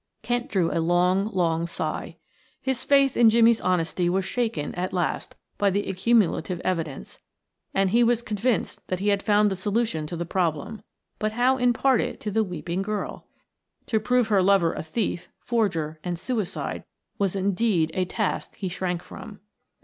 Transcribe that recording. Kent drew a long, long sigh. His faith in Jimmie's honesty was shaken at last by the accumulative evidence, and he was convinced that he had found the solution to the problem, but how impart it to the weeping girl? To prove her lover a thief, forger, and suicide was indeed a task he shrank from.